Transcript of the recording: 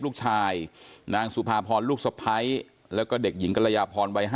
ลูกชายนางสุภาพรลูกสะพ้ายแล้วก็เด็กหญิงกรยาพรวัย๕